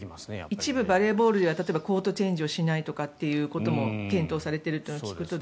一部バレーボールではコートチェンジしないことが検討されているというのを聞くと。